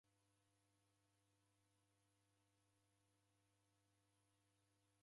Aboo chaw'ucha kwa vindo.